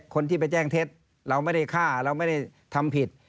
คนที่ไปแจ้งเท็จเราไม่ได้ฆ่าเราไม่ได้ทำผิด